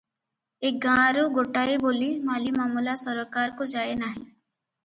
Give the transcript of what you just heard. ଏ ଗାଁରୁ ଗୋଟାଏ ବୋଲି ମାଲିମାମଲା ସରକାରକୁ ଯାଏ ନାହିଁ ।